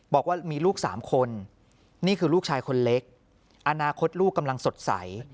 บอกว่ามีลูก๓คนนี่คือลูกชายคนเล็กอนาคตลูกกำลังสดใส